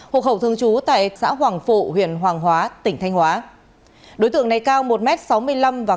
hộ khẩu thương chú tại xã hoàng phụ huyện hoàng hóa tỉnh thanh hóa